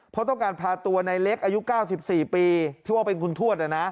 เพราะต้องการพาตัวในเล็กอายุ๙๔ปีที่ว่าเป็นคุณทวด